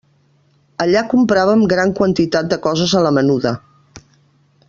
Allà compràvem gran quantitat de coses a la menuda.